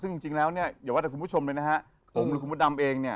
ซึ่งจริงแล้วเนี่ยอย่าว่าแต่คุณผู้ชมเลยนะฮะผมหรือคุณมดดำเองเนี่ย